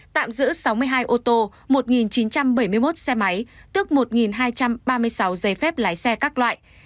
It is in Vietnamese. tạm giữ sáu mươi hai ô tô một chín trăm bảy mươi một xe máy tức một hai trăm ba mươi sáu giấy phép lái xe các loại